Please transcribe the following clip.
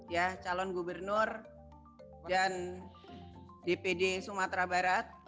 ya calon gubernur dan dpd sumatera barat